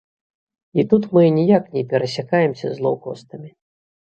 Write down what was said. І тут мы ніяк не перасякаемся з лоўкостамі.